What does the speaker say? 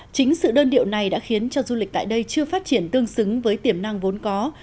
chính sự đơn điệu này đã khiến cho du lịch tại đây chưa phát triển tương xứng với tiềm năng vốn có